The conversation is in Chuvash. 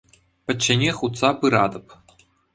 Пӗчченех утса пыратӑп.